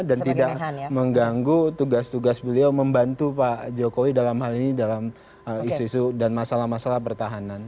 dan tidak mengganggu tugas tugas beliau membantu pak jokowi dalam hal ini dalam isu isu dan masalah masalah pertahanan